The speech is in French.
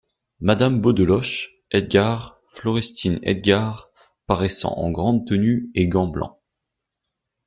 Madame Beaudeloche, Edgard, Florestine Edgard , paraissant en grande tenue et gants blancs.